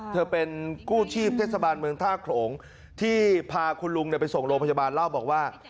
เธอเป็นกู้ชีพเทศบาลเมืองท่าโขลงที่พาคุณลุงไปส่งโรงพยาบาลเล่าบอกว่า